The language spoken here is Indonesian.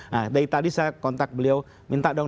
nah dari tadi saya kontak beliau minta dong